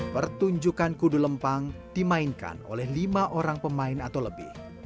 pertunjukan kudu lempang dimainkan oleh lima orang pemain atau lebih